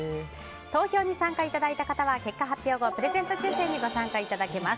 投票に参加いただいた方には結果発表後プレゼント抽選にご参加いただけます。